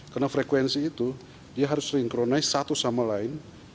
karena frekuensi itu dia harus sinkronis satu sama lain